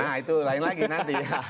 nah itu lain lagi nanti ya